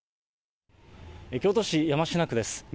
京都市山科区です。